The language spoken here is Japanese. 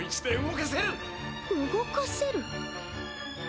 動かせる？